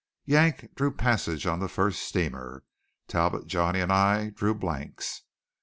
Yank drew passage on the first steamer. Talbot, Johnny, and I drew blanks.